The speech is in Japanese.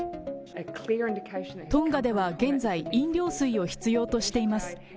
トンガでは現在、飲料水を必要としています。